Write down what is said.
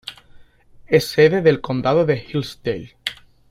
Es sede del condado de Hillsdale.